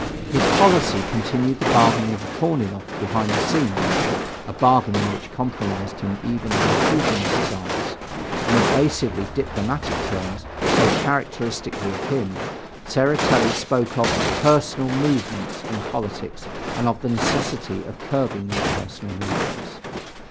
His policy continued the bargaining with Korniloff behind the scenes a bargaining which compromised him even in the fusionists' eyes: in evasively diplomatic terms, so characteristic of him, Tseretelli spoke of "personal" movements in politics and of the necessity of curbing these personal movements.